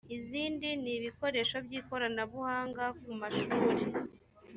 izindi ni ibikoresho by ikoranabuhanga ku mashuri